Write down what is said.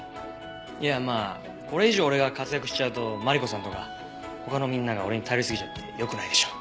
いやまあこれ以上俺が活躍しちゃうとマリコさんとか他のみんなが俺に頼りすぎちゃってよくないでしょ。